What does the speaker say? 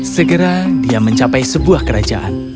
segera dia mencapai sebuah kerajaan